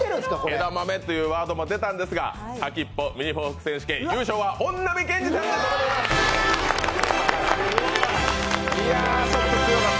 枝豆ってワードも出たんですが先っぽミニフォーク選手権優勝は本並健治さんになりました。